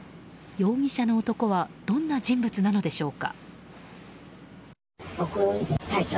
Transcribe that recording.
容疑者の男はどんな人物なのでしょうか？